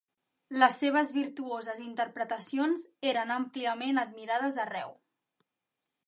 Les seves virtuoses interpretacions eren àmpliament admirades arreu.